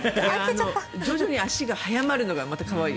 徐々に足が速まるのがまた可愛い。